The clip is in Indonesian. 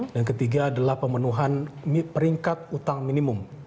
yang ketiga adalah pemenuhan peringkat utang minimum